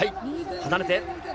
離れて。